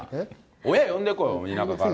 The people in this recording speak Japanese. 親、呼んでこい、田舎から。